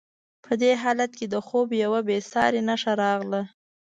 په همدې حالت کې د خوب یوه بې ساري نښه راغله.